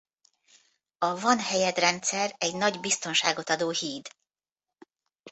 A Van Helyed Rendszer egy nagy biztonságot adó híd.